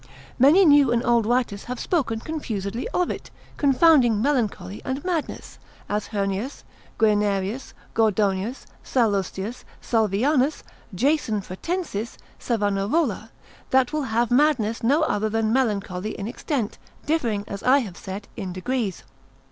Many new and old writers have spoken confusedly of it, confounding melancholy and madness, as Heurnius, Guianerius, Gordonius, Salustius Salvianus, Jason Pratensis, Savanarola, that will have madness no other than melancholy in extent, differing (as I have said) in degrees.